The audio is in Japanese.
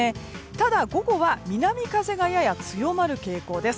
ただ、午後は南風がやや強まる傾向です。